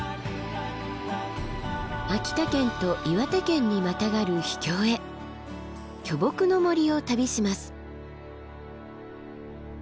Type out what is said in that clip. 秋田県と岩手県にまたがる秘境へ巨木の森を旅します。